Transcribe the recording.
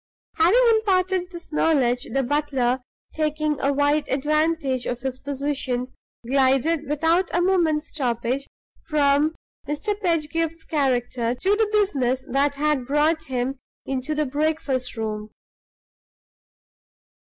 Having imparted this information, the butler, taking a wise advantage of his position, glided, without a moment's stoppage, from Mr. Pedgift's character to the business that had brought him into the breakfast room.